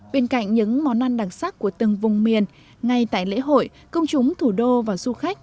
bên cạnh những món ăn đặc sắc của từng vùng miền ngay tại lễ hội công chúng thủ đô và du khách